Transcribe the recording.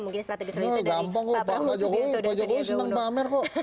mungkin strategi selanjutnya dari pak joko widodo